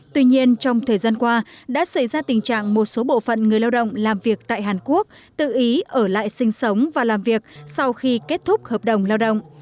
tuy nhiên trong thời gian qua đã xảy ra tình trạng một số bộ phận người lao động làm việc tại hàn quốc tự ý ở lại sinh sống và làm việc sau khi kết thúc hợp đồng lao động